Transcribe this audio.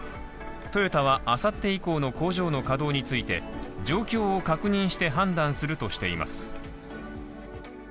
トヨタはあさって以降の工場の稼働について状況を確認して判断するとしています。